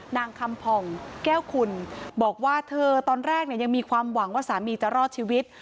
นางคำผ่องแก้วคุณบอกว่าเธอตอนแรกเนี่ยยังมีความหวังว่าสามีจะรอดชีวิต